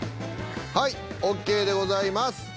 はいＯＫでございます。